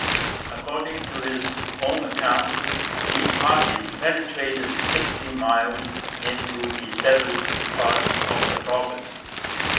According to his own account, these parties 'penetrated sixty miles into the settled part of the province.'